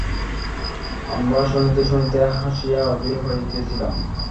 আমরা শুনিতে শুনিতে হাসিয়া অধীর হইতেছিলাম।